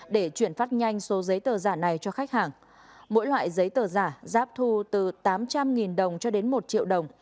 để chuyển phát nhanh số giấy tờ giả này cho khách hàng mỗi loại giấy tờ giả giáp thu từ tám trăm linh đồng cho đến một triệu đồng